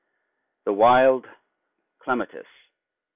THE WILD CLEMATIS.